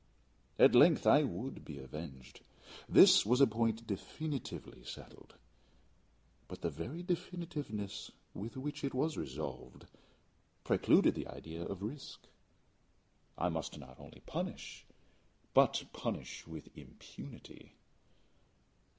At length I would be avenged; this was a point definitely settled but the very definitiveness with which it was resolved, precluded the idea of risk. I must not only punish, but punish with impunity.